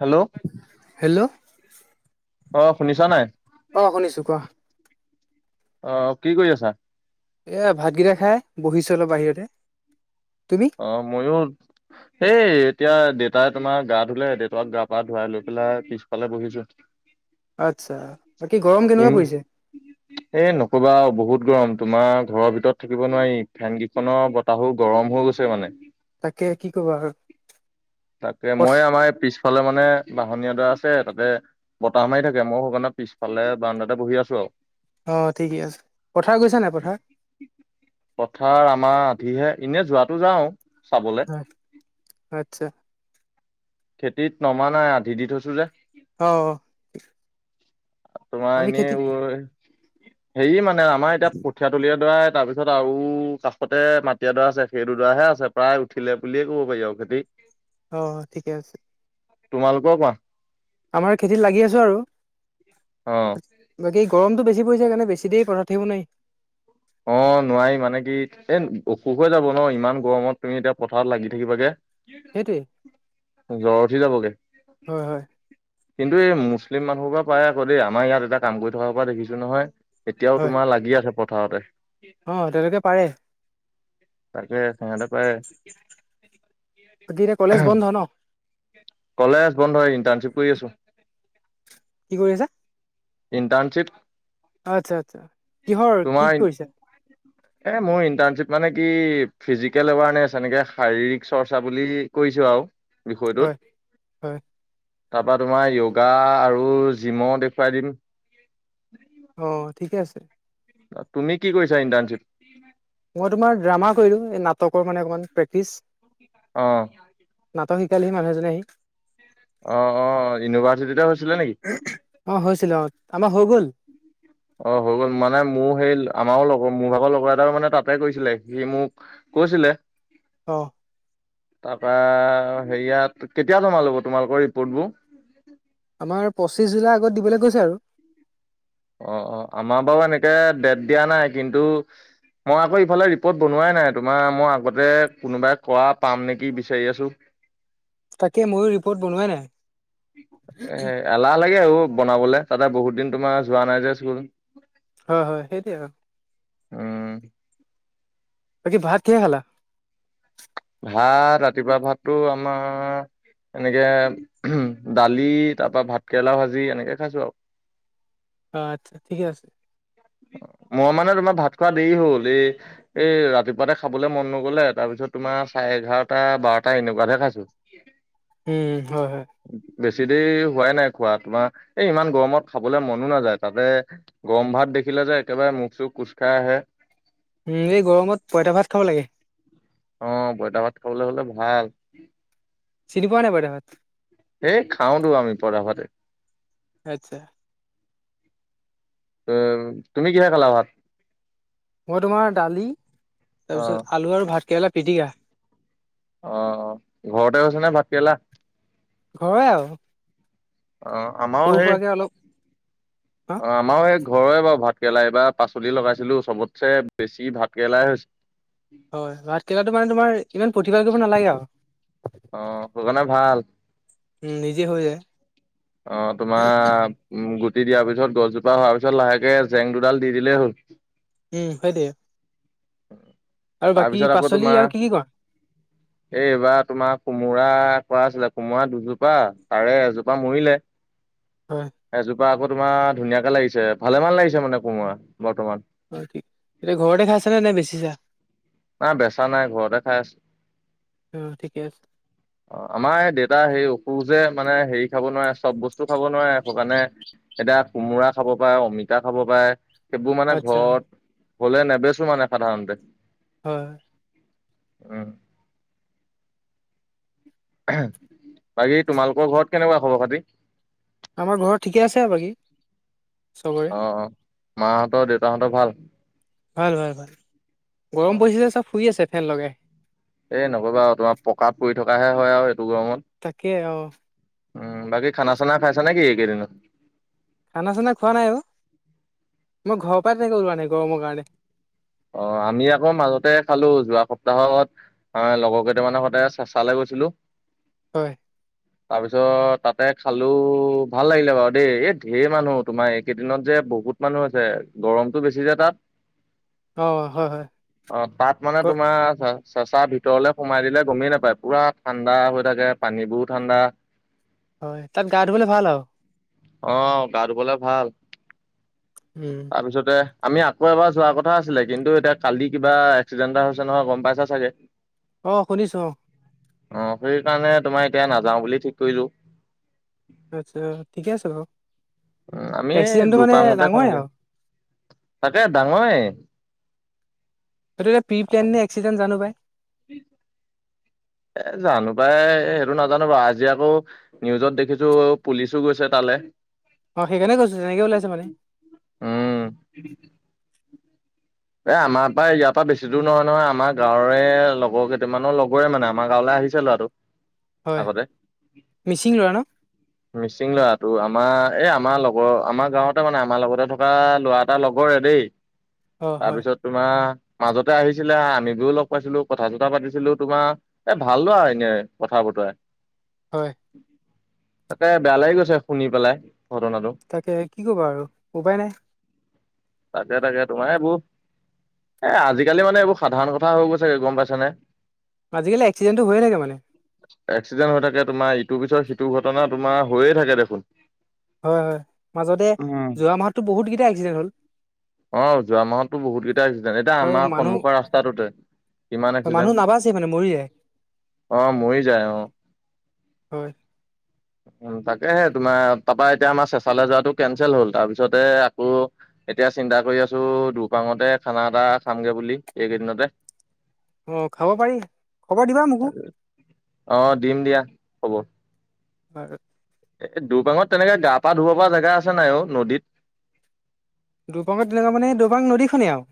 Hello hello আহ শুনিছা নাই? অ শুনিছোঁ কোৱা। অ কি কৰি আছা? এইয়া ভাতকেইটা খাই বহিছোঁ অলপ বাহিৰতে। তুমি? অ', মইয়ো সেই এতিয়া দেউতাই তোমাৰ গা ধুলে দেউতাক গা পা ধুৱাই লৈ পেলাই পিছফালে বহিছোঁ। [unintelligible] আচ্ছা, 'বাকী গৰম কেনেকুৱা পৰিছে? [unintelligible] এই নকবা বহুত গৰম তোমাৰ ঘৰৰ ভিতৰত থাকিব নোৱাৰি ফেন কেইখনৰ বতাহো গৰম হৈ গৈছে। মানে তাকে কি কবা আৰু তাকে পথ মই আমাৰ পিছ ফালে মানে বাহনী এডৰা আছে তাতে বতাহ মাৰি থাকে মইয়ো সেইকাৰণে পিছফালে বাৰণ্ডাতে বহি আছোঁ আৰু। অ ঠিকে আছে পথাৰ গৈছা নাই পথাৰ? পথাৰ আমাৰ আধিহে এনে যোৱাটো যাওঁ চাবলে। হয় আচ্ছা। খেতিত নমা নাই আধি দি থৈছোঁ যে। অঁ। তোমাৰ এনেই খেতিত বয় হেৰি মানে আমাৰ এতিয়া কঠিয়া তলিয়া দৰা তাৰপিছত তাৰ পিছত আৰু কাষতে মাটিএডৰা আছে সেই দো ডৰা হে আছে প্ৰায় উঠিলে বুলিয়ে ক'ব পাৰি আৰু খেতি। অ ঠিকে আছে। তোমালোকৰ কোৱা? আমাৰ খেতিত লাগি আছোঁ আৰু। অ বাকী গৰমত বেছি পৰিছে কাৰণে বেছি দেৰি পথাত থাকিব নোৱাৰি। অ নোৱাৰি মানে কি এ অসুখ হৈ যাব ন ইমান গৰমত তুমি এতিয়া পথাৰত লাগি থাকিবাগে। সেইটোৱে জ্বৰ উঠি যাবগে। হয় হয় কিন্তু এই মুছলিম মানুহ সোপা পায় আকৌ দেই আমাৰ ইয়াত এটা কাম কৰি থকাৰ সোপা দেখিছোঁ নহয়। এতিয়াও হয় তোমাৰ লাগি আছে পথাৰতে। অ তেওঁলোকে পাৰে। তাকে সিহঁতে পাৰে। বাকী এতিয়া কলেজ বন্ধ ন? কলেজ বন্ধ। ইণ্টাৰ্শ্বিপ কৰি আছো। কি কৰি আছে? ইণ্টাৰ্ণশ্বিপ আচ্ছা- আচ্ছা, কিহৰ কি কৰিছে? এই মোৰ ইণ্টাৰ্ণশ্বিপ মানে কি ফিজিকেল এৱাৰনেছ, এনেকে শাৰীৰিক চৰ্চা বুলি কৰিছো আৰু বিষয়টোত। হয় হয় তাৰপা তোমাৰ যোগা আৰু জিমো দেখুৱাই দিম। অ, ঠিকে আছে। তুমি কি কৰিছা এণ্টাৰ্ণশ্বিপ? মই তোমাৰ ড্ৰামা কৰিলো, এই নাটকৰ মানে অকণমান প্ৰেক্টিচ অহ। নাটক শিকালেহি মানুহজনীয়ে আহি। অ, অ, ইউনিভাৰ্চিটিতে হৈছিলে নেকি? অ হৈছিলে অ, আমাৰ হৈ গ'ল। অ হৈ গ'ল। মানে মোৰ সেই আমাৰো লগৰ মোৰ ভাগৰ লগৰ এটাও মানে তাতে কৰিছিলে। সি মোক কৈছিলে অহ। তাৰপা হেৰিয়াত, কেতিয়া জমা ল'ব তোমালোকৰ ৰিপৰ্ট বোৰ? আমাৰ পঁচিছ জুলাই আগত দিবলৈ কৈছে আৰু। অ, অ, আমাৰ বাৰু এনেকে ডেট দিয়া নাই কিন্তু মই আকৌ ইফালে ৰিপৰ্ট বনোৱাই নাই, তোমাৰ মই আগতে কোনোবাই কৰা পাম নেকি বিচাৰি আছো। তাকে ময়ো ৰিপৰ্ট বনোৱাই নাই। এ এলাহ লাগে এইবোৰ বনাবলে, তাতে বহুত দিন তোমাৰ যোৱা নাই যে স্কুললে। হয়, হয়, সেইটোৱে আৰু উম বাকি ভাত কিহে খালা? ভাত, ৰাতিপুৱা ভাতটো আমাৰ এনেকে দালি, তাৰপা ভাতকেৰেলা ভাজি, এনেকে খাইছো আও। আচ্ছা, ঠিকে আছে। মই মানে তোমাৰ ভাত খোৱা দেৰি হ'ল এই এই ৰাতিপুৱাতে খাবলৈ মন নগলে, তাৰপিছত তোমাৰ চাৰে এঘাৰটা, বাৰটা এনেকুৱাতহে খাইছো। [unintelligible] উম, হয়, হয়। বেছি দেৰি হোৱাই নাই খোৱা তোমাৰ, এই ইমান গৰমত খাবলৈ মনো নাযায় তাতে গৰম ভাত দেখিলে যে একেবাৰে মুখ- চুখ কোচ খাই আহে। উম এই গৰমত পইতা ভাত খাব লাগে। অ পঁইতা ভাত খাবলৈ হলে ভাল। চিনি পোৱা নাই পঁইতা ভাত? এই খাওঁতো আমি পঁইতা ভাতে। আচ্ছা। তুমি কিহে খালা ভাত? মই তোমাৰ দালি, অ তাৰপিছত আলু আৰু ভাতকেৰেলা পিটিকা। অ, ঘৰতে হৈছেনে ভাতকেৰেলা? হয় আও। অ, আমাও সেই অলপ হা অ আমাও সেই ঘৰৰে বাৰু ভাত কেৰেলা, এইবাৰ পাচলি লগাইছিলো চবতছে বেছি ভাতকৰেলাই হৈছে। হয় ভাত কেৰেলা তোমৰ তোমৰ ইমান প্ৰতিভাৰ কৰিব নালাগে আও। অ হুজানে ভাল। উম নিজে হৈ যায়। অ তোমাৰ উম গুটি দিয়াৰ পিছত গছজোপা হোৱাৰ পিছত লাহেকে জেং দুডাল দি দিলেই হ'ল। উম সেইটোৱে। আৰু বাকী তাৰপিছত আকৌ পাচলি তোমাৰ আৰু কি কি কৰা এই এইবাৰ তোমাৰ কোমোৰা কৰা আছিলে কোমোৰা দুজোপা তাৰে এজোপা মৰিলে। হয়। এজোপা আকৌ তোমাৰ ধুনীয়াকে লাগিছে ভালেমান লাগিছে মানে কোমৰা বৰ্তমান। অ ঠিক, এতিয়া ঘৰতে খাইছা নে, নে বেচিছা? নাই বেচা নাই ঘৰতে খাই আছো, অ ঠিকে আছে অ। আমাৰ এই দেউতা সেই অসুখ যে মানে হেৰি খাব নোৱাৰে চব বস্তু খাব নোৱাৰে সেইটো কাৰণে এতিয়া কোমোৰা খাব পাৰে, অমিতা খাব পাৰে, সেইবোৰ মানে আচ্ছা ঘৰত হলে নেবেচো মানে সাধাৰণতে। হয়। উম। বাকী তোমালোকৰ ঘৰত কেনেকুৱা খবৰ খাতি? আমাৰ ঘৰত ঠিকে আছে আৰু বাকী, চবত অ মাহঁতৰ দেউতাহঁতৰ ভাল? ভাল ভাল, গৰম অ' পৰিছে যে চব শুই আছে ফেন লগাই। এই নকবা আৰু তোমাৰ পোকা পৰি থকাহে হয় আৰু এইটো গৰমত। তাকে অ। উ বাকী খানা চানা খাইছা নেকি এইকেইদিনত? খানা চানা খোৱা নাই অ, মই ঘৰৰ পাই তেনেকৈ ওলোৱা নাই গৰমৰ কাৰণে। অ আমি আকৌ মাজতে খালো যোৱা সপ্তাহত হয় লগৰ কেইটামানৰ সতে চেচালৈ গৈছিলোঁ। হয়। [inaudible] তাৰপিছত তাতে খালো ভাল লাগিলে বাৰু দেই এই ঢেৰ মানুহ তোমাৰ এইকেইদিনত যে বহুত মানুহ আছে গৰমটো বেছি যে তাত। অ হয় হয়। অ তাত মানে গ তোমাৰ চেচা ভিতৰলে সোমাই দিলে গমেই নাপায় পুৰা ঠাণ্ডা হৈ থাকে পানী বোৰও ঠাণ্ডা। হয় তাত গা ধুবলৈ ভাল আৰু। অ গা ধুবলৈ ভাল। উম। তাৰপিছতে আমি আকৌ এবাৰ যোৱাৰ কথা আছিলে কিন্তু এতিয়া কালি কিবা এক্সিডেণ্ট এটা হৈছে নহয় গম পাইছা চাগে। [inaudible] অ শুনিছো অ। অ সেই কাৰণে তোমাৰ এতিয়া নাযাও বুলি ঠিক কৰিলো। আচ্ছা ঠিকে আছে বাৰু উম, আমি এক্সিডেণ্টটো মানে দুপাঙতে ডাঙৰে খামগে আৰু তাকে ডাঙৰে। সেইটো এতিয়া প্ৰিপ্লেন নে এক্সিডেণ্টত জানো পায়। [inaudible] এ জানো পাই সেইটো নাজানো বাৰু, আজি আকৌ নিউজত দেখিছো পুলিচো গৈছে তালে। অঁ সেইকাৰণে কৈছোঁ তেনেকে ওলাইছে মানে। উম। এই আমাৰ পৰা ইয়াৰ পৰা বেছি দূৰ নহয় নহয় আমাৰ গাঁৱৰে লগৰ কেইটামানৰ লগৰে মানে আমাৰ গাঁৱলৈ আহিছে লৰাটো হয় আগতে। মিচিং ল'ৰা ন মিচিং ল'ৰাটো আমাৰ এই আমাৰ লগৰ আমাৰ গাঁৱতে মানে আমাৰ লগতে থকা ল'ৰা তাৰ লগৰে দেই। অ হয় তাৰপিছত তোমাৰ মাজতে আহিছিলে হা, মিদু লগ পাইছিলো কথা চথা পাতিছিলো তোমাৰ এ ভাল লৰা এনেই কথা বতৰাই। হয়। তাকে বেয়া লাগি গৈছে শুনি পেলাই ঘটনাটো। তাকে কি কবা আৰু উপায় নাই। তাকে তাকে, তোমাৰ এইবোৰ এ আজিকালি মানে এইবোৰ সাধাৰণ কথা হৈ গৈছেগৈ গম পাইছানে। আজিকালি এক্সিডেণ্টতো হৈ থাকে মানে। এক্সিডেণ্ট হৈ থাকে তোমাৰ ইটো পিছত সিটো ঘটনা তোমাৰ হৈয়ে থাকে দেখোন। হয় হয়, মাজতে যোৱা মাহতো বহুতকেইটা এক্সিডেণ্টত হ'ল। অ যোৱা মাহতো বহুত কেইটা এক্সিডেণ্টত, এতিয়া আৰু আমাৰ মানুহ সন্মুখৰ ৰাস্তাটোতে কিমান মানুহ নাবাচি মানে মৰি যায়। অঁ মৰি যায় অঁ। হয় উম তাকেহে তোমাৰ তাৰপা এতিয়া আমাৰ চেঁচালে যোৱাটো কেনচেল হ'ল, তাৰপিছতে আকৌ এতিয়া চিন্তা কৰি আছো দুপাঙতে খানা এটা খামগে বুলি এইকেইদিনতে। অঁ খাব পাৰি, খবৰ দিবা মোকো। অঁ দিম দিয়া খবৰ। [unintelligible] এ দুবাঙত তেনেকে গা পা ধুব পৰা জেগা আছে নাই অ নদীত। দুপাঙত তেনেকুৱা মানে দুবাং নদীখনেই আও।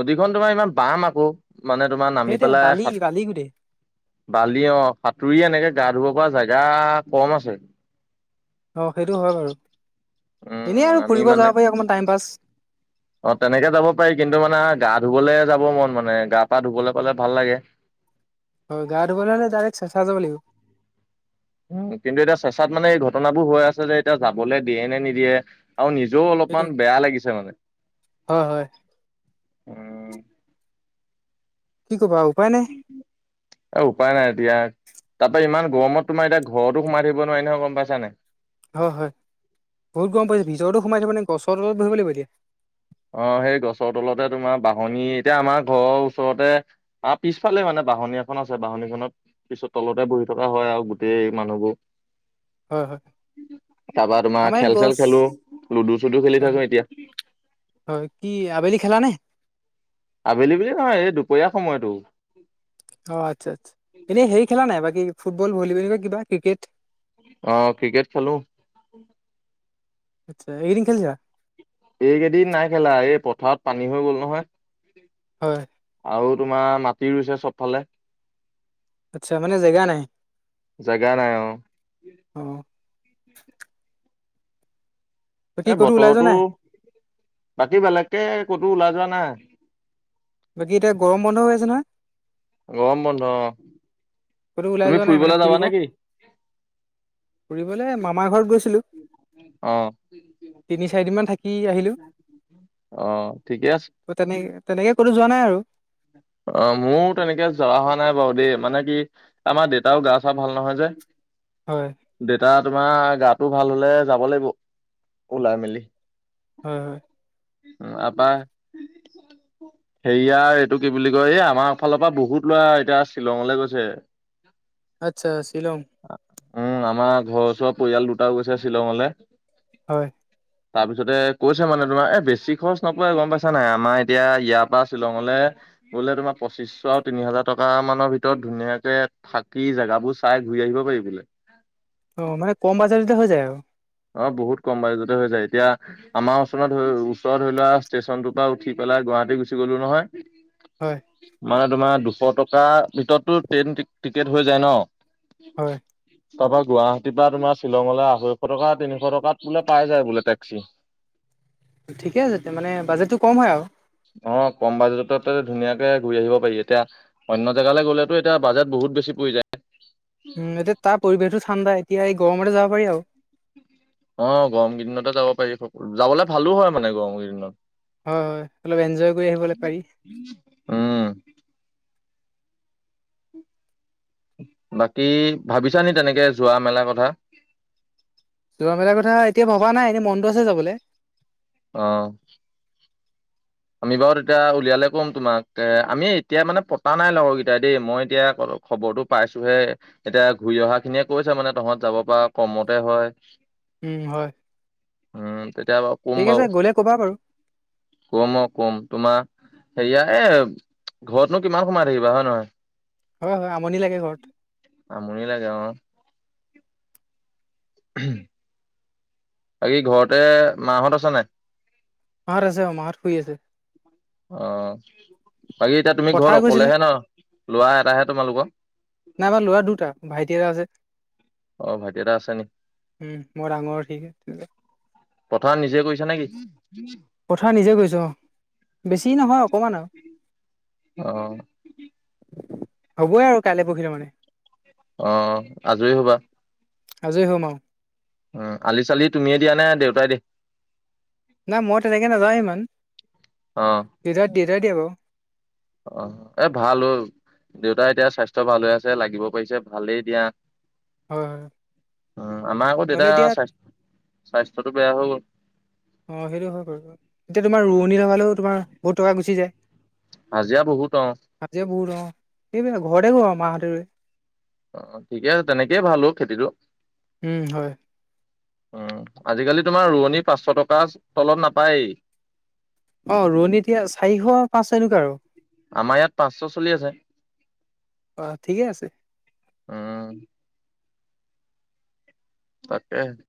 নদীখন তোমাৰ ইমান বাম আকৌ, মানে তোমাৰ নামি সেইটোৱে পেলাই বালি সাত বালি গোটেই বালি অঁ সাঁতুৰি এনেকে গা ধুব পৰা জেগা কম আছে। অঁ, সেইটো হয় বাৰু, এনেই আৰু ফুৰিব যাব পাৰি অকমান টাইম পাছ। [inaudible] অঁ তেনেকে যাব পাৰি, কিন্তু মানে গা ধুবলৈ যাব মন মানে গা পা ধুবলৈ পালে ভাল লাগে। হয় গা ধুবলৈ হলে ডাইৰেক্ট চেচা যাব লাগিব। উম, কিন্তু এতিয়া চেচাত মানে এই ঘটনাবোৰ হৈ আছে যে এতিয়া যাবলৈ দিয়ে নে নিদিয়ে? আৰু নিজেও সেইটো অলপমান বেয়া লাগিছে মানে। হয় হয়। উম কি কবা উপায় নাই? উপায় নাই দিয়া। তাতে ইমান গৰমত তোমাৰ এতিয়া ঘৰতো সোমাই থাকিব নোৱাৰি নহয় গম পাইছা নাই? হয় হয়, বহুত গৰম পৰিছে ভিজৰতো সোমাই থাকিব নে গছৰ তলত বহিব লাগিব এতিয়া। অঁ, সেই গছৰ তলতে তোমাৰ বাহনি এতিয়া আমাৰ ঘৰৰ ওচৰতে অঁ, পিছফালে মানে বাহনি এখন আছে, বাহনিখনত পিছত তলতে বহি থকা হয় আও গোটেই মানুহবোৰ। হয় হয় তাৰপা তোমাৰ আমাৰ ইয়াত খেল - চেল গছ খেলো, লুডু - চুডু খেলি হয় থাকো এতিয়া। হয় কি আবেলি খেলানে? আবেলি বুলি নহয় এই দুপৰীয়া সময়তো। অ আচ্ছা আচ্ছা এনে হেই খেলা নাই বাকী ফুটবল, ভলীবল এনেকোৱা কিবা ক্ৰিকেট? অ ক্ৰিকেট খেলো। আচ্ছা এইকেইদিন খেলিছা? এইকেইদিন নাই খেলা এই পথাৰত পানী হৈ গ'ল নহয়? হয়। আৰু তোমাৰ মাটি ৰুইছে চবফালে। আচ্ছা মানে জেগা নাই জেগা নাই অ অ। বাকী এ ক'তো ওলাই যোৱা বতৰতো, নাই বাকী বেলেগকে কতো ওলাই যোৱা নাই? বাকী এতিয়া গৰম বন্ধ হৈ আছে নহয়। গৰম বন্ধ অ, ক'তো ওলাই তুমি যোৱা নাই মানে ফুৰিবলৈ ফুৰিব যাবানে কি? ফুৰিবলে মামাৰ ঘৰত গৈছিলো। অ তিনি - চাৰিদিনমান থাকি আহিলো। অ ঠিকে আছে অ তেনে তেনেকে কতো যোৱা নাই আৰু। অ মোৰ তেনেকে জৰা হোৱা নাই বাৰু দেই মানে কি আমাৰ দেউতাও গা চা ভাল নহয় যে? হয়। দেউতা তোমাৰ গাটো ভাল হলে যাব লাগিব ওলাই মেলি। হয় হয়। উম আপাৰ হেৰিয়াৰ এইটো কি বুলি কয় এই আমাৰ ফালৰ পৰা বহুত ল'ৰা এতিয়া শ্বিলঙলৈ গৈছে। আচ্ছা শ্বিলং। উম আমাৰ ঘৰ ওচৰৰ পৰিয়াল দুটাও গৈছে শ্বিলঙলে। হয়। [inaudible] তাৰপিছতে কৈছে মানে তোমাৰ এ বেছি খৰচ নপৰে গম পাইছা নাই আমাৰ এতিয়া ইয়াৰ পৰা শ্বিলঙলে বোলে তোমাৰ পঁচিশ আৰু তিনি হাজাৰ টকা মানৰ ভিতৰত ধুনীয়াকে থাকি জাগাবোৰ চাই ঘূৰি আহিব পাৰি বোলে। অ মানে কম বাজেটতে হৈ যায় আৰু। অ বহুত কম বাজেটতে হৈ যায় এতিয়া আমাৰ ওচৰত ধৰি ওচৰত ধৰি লোৱা ষ্টেচনটোৰ পৰা উঠি পেলাই গুৱাহাটী গুচি গলো নহয়। হয় মানে তোমাৰ দুশ টকাৰ ভিতৰতো ট্ৰেইন টি টিকেট হৈ যায় ন? হয় তাৰপৰা গুৱাহাটীৰ পৰা তোমাৰ শ্বিলঙলৈ আঢ়ৈশ টকা তিনিশ টকাত বোলে পাই যায় বোলে টেক্সি। [inaudible] ঠিকে আছে তেতিয়া মানে বাজেটতো কম হয় আও। অ কম বাজেটতে ধুনীয়াকে ঘূৰি আহিব পাৰি এতিয়া অন্য জেগালে গ'লেতো এতিয়া বাজেট বহুত বেছি পৰি যায়। উম এতিয়া তাৰ পৰিৱেশটো ঠাণ্ডা এতিয়া এই গৰমতে যাব পাৰি আৰু। অ গৰম কেইদিনতে যাব পাৰি যাবলে ভালো হয় মানে গৰমকেইদিনত। হয় হয় অলপ এনজয় কৰি আহিবলে পাৰি। উম বাকী ভাবিছা নি তেনেকে যোৱা মেলা কথা যোৱা মেলাৰ কথা এতিয়া ভবা নাই এনেই মনটো আছে যাবলৈ অ আমি বাৰু তেতিয়া উলিয়ালে ক'ম তোমাক এ আমি এতিয়া মানে পতা নাই লগৰ কেইটাই দেই মই এতিয়া ক খবৰটো পাইছোহে এতিয়া ঘূৰি অহা খিনিয়ে কৈছে মানে তহত যাব পাৰ কমতে হয় উম হয় উম তেতিয়া অলপ ঠিক আছে গ'লে ক'বা বাৰু কম অ কম তোমাৰ হেৰিয়া এ ঘৰতনো কিমান সময় থাকিবা হয় নহয় হয় হয় আমনি লাগে ঘৰত আমনি লাগে অ হম বাকী ঘৰতে মাহঁত আছে নে নাই? মাহত আছে, অ মাহত শুই আছে। অ বাকী এতিয়া তুমি পথাৰ ঘৰত গৈছিলে অকলেহে ন ল'ৰা এটাহে তোমালোকৰ নাই আমাৰ ল'ৰা দুটা ভাইটি এটা আছে অ ভাইটি এটা আছে নেকি? উম মই ডাঙৰ সি সৰু পথাৰত নিজে গৈছা নে কি পথাৰ নিজে কৰিছো অ বেছি নহয় অকণমান আও অ হ'বয়ে আৰু কাইলে পৰহিলে মানে অ আজৰি হ'বা আজৰি হম আও উম আলি চালি তুমিয়ে দিয়া নে দেউতাই দিয়ে নাই মই তেনেকে নাযাও ইমান অ দেতা দেতাই দিয়ে বাৰু অ এ ভাল অ দেউতা এতিয়া স্বাস্থ্য ভাল হৈ আছে লাগিব পাৰিছে ভালেই দিয়া হয় হয় উ আমাৰ আকৌ দেউতা নহ'লে এতিয়া স্বাস্থ স্বাস্থ্যতো বেয়া হৈ গ'ল অ সেইটো হয় বাৰু এতিয়া তোমাৰ অ ৰোৱনী লগালেও তোমাৰ বহুত টকা গুচি যায় হাজিৰা বহুত অ হাজিৰা বহুত অ সেইবাবে ঘৰতে কৰো আৰু মাহঁতে ৰুৱে অ ঠিকে আছে তেনেকেই ভাল অ খেতিটো উম হয় আজিকালি তোমাৰ ৰোৱনী পাঁচশ টকাৰ তলত নাপায়েই অ ৰোৱনী এতিয়া চাৰিশ পাঁচশ এনেকোৱা আৰু আমাৰ ইয়াত পাঁচশ চলি আছে, অ ঠিকে আছে উম তাকে